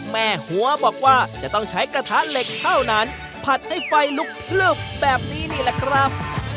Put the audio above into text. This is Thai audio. แม่หัวบอกว่าจะต้องใช้กระทะเหล็กเท่านั้นผัดให้ไฟลุกพลึบแบบนี้นี่แหละครับ